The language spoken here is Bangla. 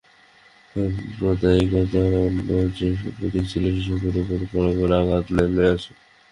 অসাম্প্রদায়িকতার অন্য যেসব প্রতীক ছিল, সেসবের ওপরও খড়্গের আঘাত নেমে আসে।